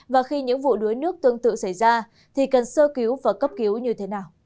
và khi những vụ đuối nước tương tự xảy ra thì cần sơ cứu và cấp cứu như thế nào